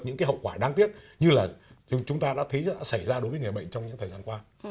những cái hậu quả đáng tiếc như là chúng ta đã thấy xảy ra đối với người bệnh trong những thời gian qua